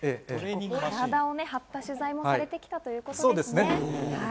体を張った取材もされてきたんですね。